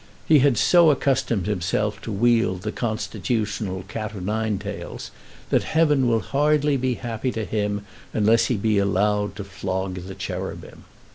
He had so accustomed himself to wield the constitutional cat of nine tails, that heaven will hardly be happy to him unless he be allowed to flog the cherubim.